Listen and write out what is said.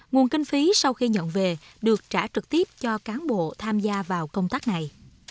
nguồn kinh phí sau khi nhận về được trả trực tiếp cho cán bộ tham gia vào công tác này